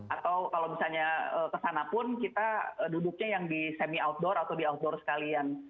atau kalau misalnya kesana pun kita duduknya yang di semi outdoor atau di outdoor sekalian